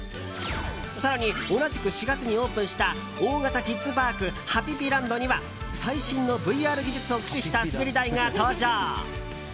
更に、同じく４月にオープンした大型キッズパークハピピランドには最新のＶＲ技術を駆使した滑り台が登場。